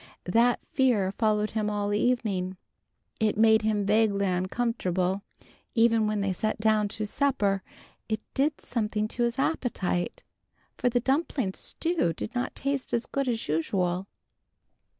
That fear followed him all evening. It made him vaguely uncomfortable. Even when they sat down to supper it did something to his appetite, for the dumpling stew did not taste as good as usual.